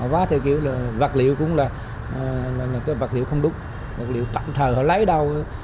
vá theo kiểu là vật liệu cũng là cái vật liệu không đúng vật liệu tạm thờ họ lấy đâu